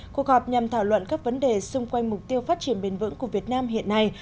cuộc họp nhằm thảo luận các vấn đề xung quanh mục tiêu phát triển bền vững của việt nam hiện nay